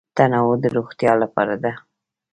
تنوع د روغتیا لپاره ده.